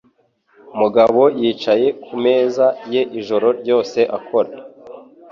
Mugabo yicaye ku meza ye ijoro ryose akora.